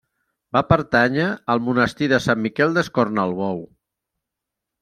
Va pertànyer al Monestir de Sant Miquel d'Escornalbou.